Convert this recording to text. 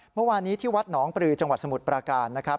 เมื่อวานนี้ที่วัดหนองปลือจังหวัดสมุทรปราการนะครับ